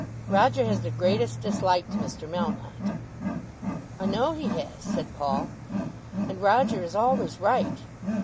"Roger has the greatest dislike to Mr. Melmotte." "I know he has," said Paul. "And Roger is always right.